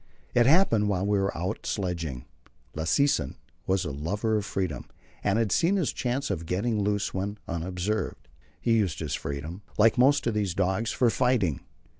It happened while we were all out sledging. Lassesen was a lover of freedom, and had seen his chance of getting loose when unobserved. He used his freedom, like most of these dogs, for fighting.